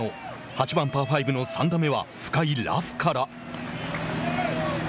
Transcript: ８番パー５の３打目は深いラフから。